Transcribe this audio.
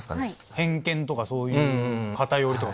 偏見とかそういう「偏り」とか。